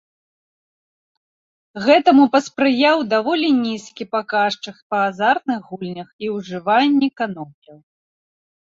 Гэтаму паспрыяў даволі нізкі паказчык па азартных гульнях і ўжыванні канопляў.